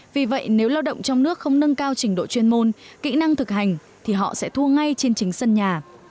vì vậy nếu lao động trong nước không nâng cao trình độ chuyên môn kỹ năng thực hành thì họ sẽ thua ngay trên chính sân nhà